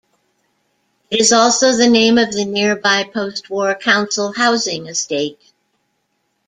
It is also the name of the nearby post war council housing estate.